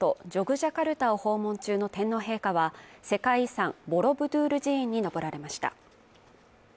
ジャカルタを訪問中の天皇陛下は世界遺産、ボロブドゥール寺院にのぼられました。